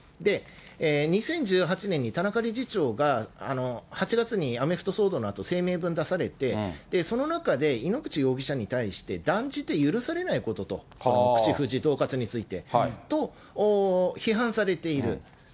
２０１８年に田中理事長が８月にアメフト騒動のあと、声明文出されて、その中で、井ノ口容疑者に対して、断じて許されないことと、口封じ、どうかつについて、と批判されている。